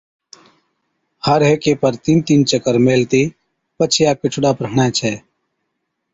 ھر ھيڪي پر تين تين چڪر ميلهتِي پڇي آپڪي ٺوڏا پر ھڻَي ڇَي